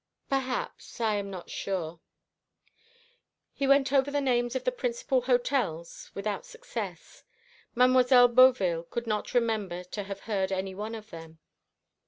"Perhaps. I am not sure." He went over the names of the principal hotels, without success. Mademoiselle Beauville could not remember to have heard any one of them.